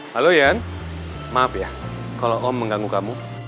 halo yan maaf ya kalau om mengganggu kamu